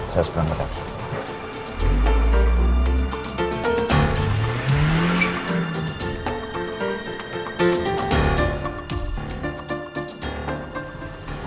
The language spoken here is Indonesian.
saya seberang ke saki